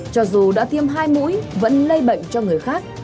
cho dù đã tiêm hai mũi vẫn lây bệnh cho người khác